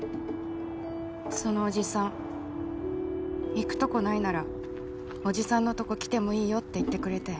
そのおじさん行くとこないならおじさんのとこ来てもいいよって言ってくれて。